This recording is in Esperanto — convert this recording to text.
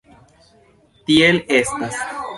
Tiel estas.